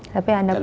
tapi anda pun